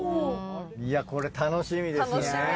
いやこれ楽しみですね。